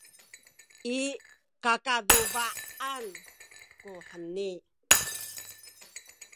i kakaduba’an kuheni